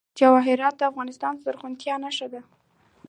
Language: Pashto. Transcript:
جواهرات د افغانستان د زرغونتیا نښه ده.